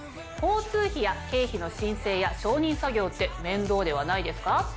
交通費や経費の申請や承認作業って面倒ではないですか？